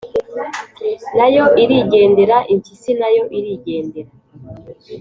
nayo irigendera. impyisi na yo irigendera